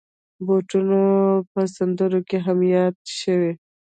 بوټونه په سندرو کې هم یاد شوي.